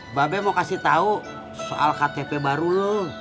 mbak be mau kasih tau soal ktp baru lo